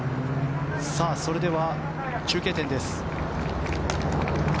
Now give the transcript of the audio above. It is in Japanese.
それでは中継点です。